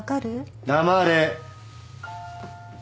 黙れ。